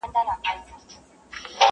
مُلا ډوب سو په سبا یې جنازه سوه٫